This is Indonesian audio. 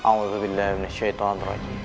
a'udhu billahi minasyaitanirrahim